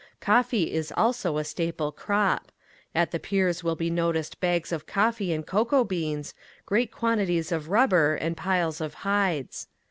Coffee is also a staple crop. At the piers will be noticed bags of coffee and cocoa beans, great quantities of rubber and piles of hides.